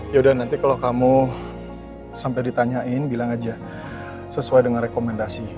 yaudah nanti kalau kamu sampai ditanyain bilang aja sesuai dengan rekomendasi